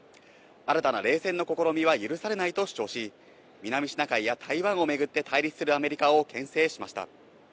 新たな冷戦の試みは許されないと主張しに南シナ海や台湾をめぐって対立するアメリカをけん制しました。